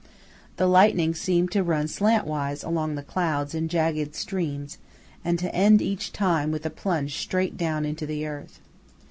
The lightning seemed to run slantwise along the clouds in jagged streams, and to end each time with a plunge straight down into the earth.